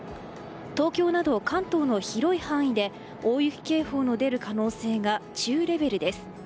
東京など関東の広い範囲で大雪警報の出る可能性が中レベルです。